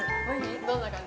どんな感じ？